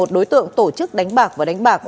một mươi một đối tượng tổ chức đánh bạc và đánh bạc